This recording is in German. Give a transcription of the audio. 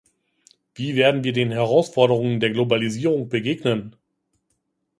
Wie werden wir den Herausforderungen der Globalisierung begegnen?